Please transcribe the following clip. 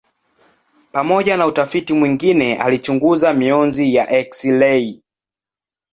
Pamoja na utafiti mwingine alichunguza mionzi ya eksirei.